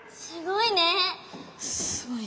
すごいね。